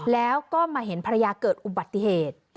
แล้วก็มาเห็นภรรยาเกิดอุบัติเหตุ